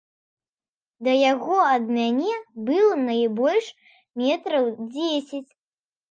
Да яго ад мяне было найбольш метраў дзесяць.